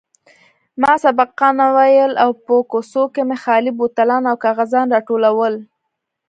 ما سبقان ويل او په کوڅو کښې مې خالي بوتلان او کاغذان راټولول.